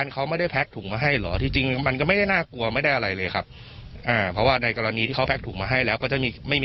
เข้ามาคุยดีกว่าไหม